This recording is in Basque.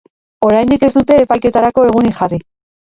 Oraindik ez dute epaiketarako egunik jarri.